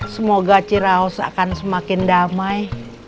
semoga ciraus akan semakin damai